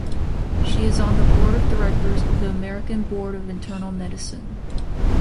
She is on the Board of Directors of the American Board of Internal Medicine.